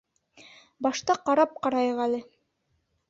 Башта ҡарап ҡарайыҡ әле.